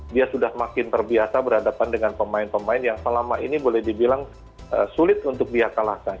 dia sudah makin terbiasa berhadapan dengan pemain pemain yang selama ini boleh dibilang sulit untuk dia kalahkan